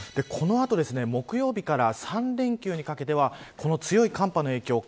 この後木曜日から３連休にかけてはこの強い寒波の影響